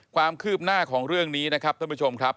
ความคืบหน้าของเรื่องนี้นะครับท่านผู้ชมครับ